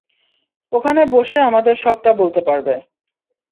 ওখানে বসে আমাদের সবটা বলতে পারবে।